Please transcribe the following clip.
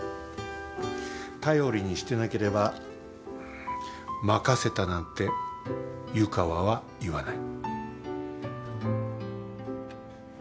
頼りにしてなければ任せたなんて湯川は言わない。